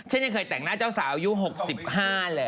ยังเคยแต่งหน้าเจ้าสาวอายุ๖๕เลย